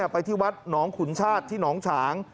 ไปที่วัดหนองขุนชาติที่หนองฉาง